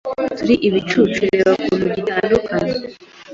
turi ibicucu reba ukuntu gitandukanye